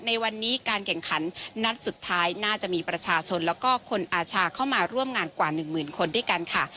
ในวันนี้การแข่งขันนัดสุดท้ายน่าจะมีประชาชนแล้วก็คนอาชาเข้ามาร่วมงานกว่าหนึ่งหมื่นคนด้วยกันค่ะ